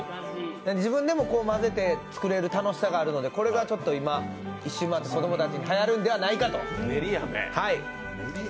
自分でも混ぜて作れる楽しさがあるのでこれがちょっと今、一周回って子供たちにはやるんではないかと。